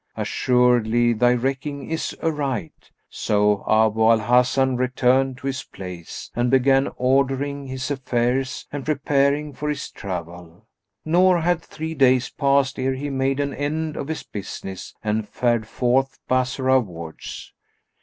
Assuredly thy recking is aright." So Abu al Hasan returned to his place and began ordering his affairs and preparing for his travel; nor had three days passed ere he made an end of his business and fared forth Bassorah wards.